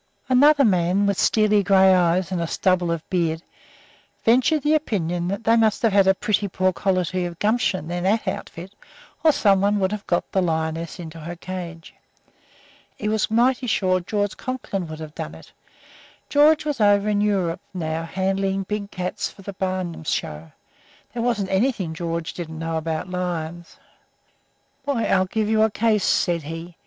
] Another man, with steely gray eyes and a stubble of beard, ventured the opinion that they must have had a pretty poor quality of gumption in that outfit, or somebody would have got the lioness into her cage. He was mighty sure George Conklin would have done it. George was over in Europe now handling big cats for the Barnum show. There wasn't anything George didn't know about lions. "Why, I'll give you a case," said he.